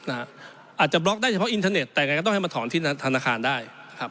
อาจจะบล็อกได้เฉพาะอินเทอร์เน็ตแต่ไงก็ต้องให้มาถอนที่ธนาคารได้ครับ